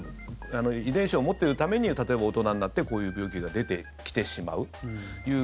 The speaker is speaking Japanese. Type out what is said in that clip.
遺伝子を持っているために例えば大人になってこういう病気が出てきてしまうという。